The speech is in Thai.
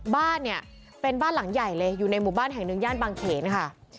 บ้านเนี่ยเป็นบ้านหลังใหญ่เลยอยู่ในหมู่บ้านแห่งหนึ่งย่านบางเขนค่ะ